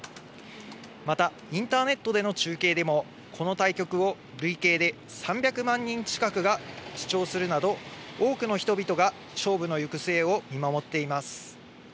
また、インターネットでの中継でも、この対局を累計で３００万人近くが視聴するなど、多くの人々が勝負の行く末を見守っています。